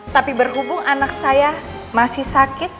tapi berhubung anak saya masih sakit